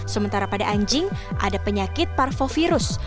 sementara pada anjing ada penyakit parvovirus